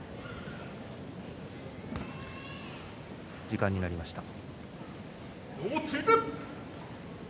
時間になりました。